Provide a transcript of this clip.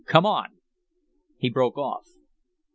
Come on!" He broke off.